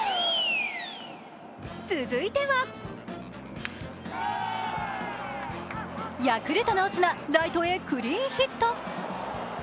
続いては、ヤクルトのオスナ、ライトへクリーンヒット。